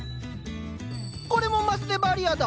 これもマスデバリアだ！